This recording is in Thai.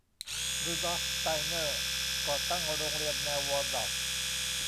รูดอล์ฟ สไตนเนอร์ ก่อตั้งโรงเรียนแนววอลดอร์ฟ